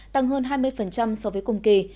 tăng hơn hai mươi so với cùng kỳ